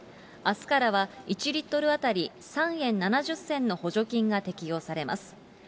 あすからは１リットル当たり３円７０銭の補助金が適用されます。